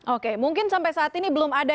oke mungkin sampai saat ini belum ada